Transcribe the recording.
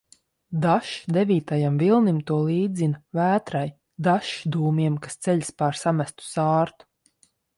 Dažs devītajam vilnim to līdzina, vētrai, dažs dūmiem, kas ceļas pār samestu sārtu.